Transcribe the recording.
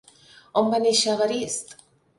On va néixer Evarist?